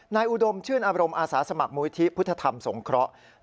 อุดมชื่นอารมอาสาสมัครมูลิธิพุทธธรรมสงเคราะห์